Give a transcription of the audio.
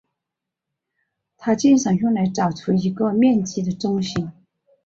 它经常用来找出一个面积的中心。